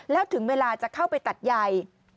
แล้วถึงเวลาจะเข้าไปตัดใย